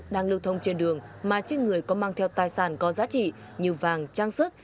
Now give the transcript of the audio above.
đang lưu thông trên đường mà trên người có mang theo tài sản có giá trị như vàng trang sức